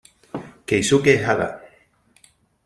Keisuke Hada